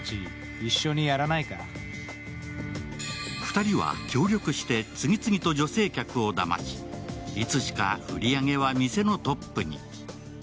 ２人は協力して次々と女性客をだましいつしか売り上げは店のトップに。